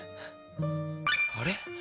あれ？